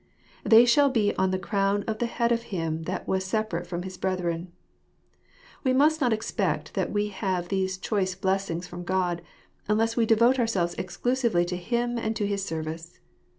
"They shall be on the crown of the head of him that was separate from his brethren." We must not expect that we can have these choice blessings from God, unless we devote ourselves exclusively to Him and to his service.